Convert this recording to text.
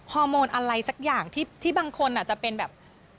ฮอร์โมนอะไรสักอย่างที่บางคนอาจจะเป็นแบบ